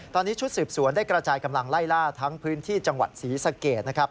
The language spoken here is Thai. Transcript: ตอนนี้ชุดสืบสวนได้กระจายกำลังไล่ล่าทั้งพื้นที่จังหวัดศรีสะเกดนะครับ